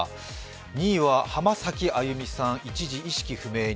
２位は浜崎あゆみさん、一時、意識不明に。